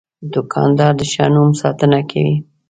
دوکاندار د ښه نوم ساتنه کوي.